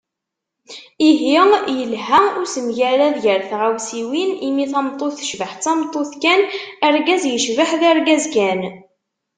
Ihi, yelha usemgarad gar tɣawsiwin, imi tameṭṭut tecbeḥ d tameṭṭut kan, argaz yecbeḥ d argaz kan.